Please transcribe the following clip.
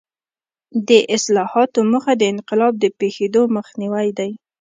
د اصلاحاتو موخه د انقلاب د پېښېدو مخنیوی دی.